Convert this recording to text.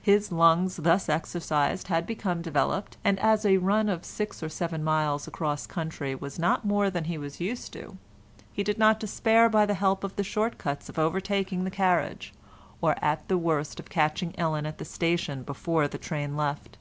His lungs thus exercised had become developed, and as a run of six or seven miles across country was not more than he was used to, he did not despair by the help of the short cuts of overtaking the carriage, or at the worst of catching Ellen at the station before the train left.